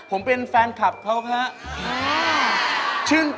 ผมเป็นแฟนคลับเขาครับ